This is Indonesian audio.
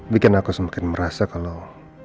bikin aku semakin merasa kalau